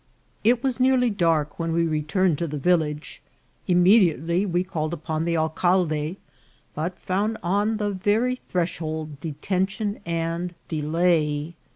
It was nearly dark when we returned to the village. Immediately we called upon the alcalde, but found on the very threshold detention and delay.